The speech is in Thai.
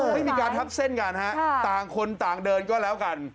มีการทับเส้นกันนะฮะต่างคนต่างเกินนะละกัน